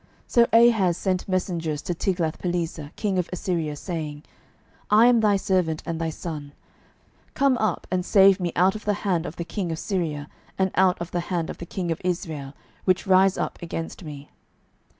12:016:007 So Ahaz sent messengers to Tiglathpileser king of Assyria, saying, I am thy servant and thy son: come up, and save me out of the hand of the king of Syria, and out of the hand of the king of Israel, which rise up against me.